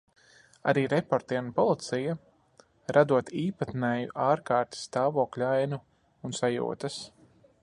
Arī reportieri un policija, radot īpatnēju ārkārtas stāvokļa ainu un sajūtas.